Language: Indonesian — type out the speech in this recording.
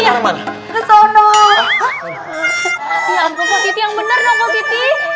ya ampun pak kiti yang bener nak pak kiti